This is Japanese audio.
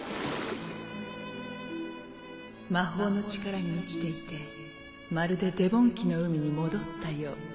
魔法の力に満ちていてまるでデボン紀の海に戻ったよう。